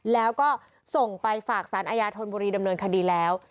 แล้วก็ส่งไปฝากสารอาญาธนบุรีดำเนินคดีแล้ว